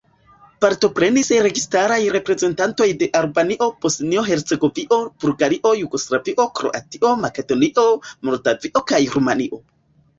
Partoprenis registaraj reprezentantoj de Albanio, Bosnio-Hercegovino, Bulgario, Jugoslavio, Kroatio, Makedonio, Moldavio kaj Rumanio.